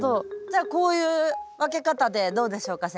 じゃあこういう分け方でどうでしょうか？